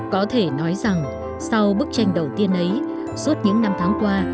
có thể nói rằng sau bức tranh đầu tiên ấy suốt những năm tháng qua